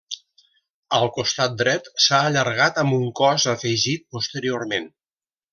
Al costat dret s’ha allargat amb un cos afegit posteriorment.